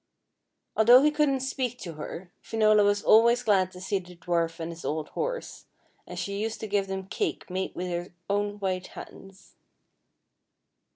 Although he couldn't speak to her, Finola was always glad to see the dwarf and his old horse, and she used to give them cake made with her own white hands.